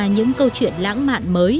những câu chuyện lãng mạn mới